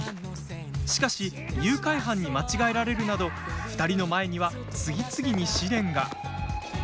しかし誘拐犯に間違えられるなど２人の前には次々に試練が。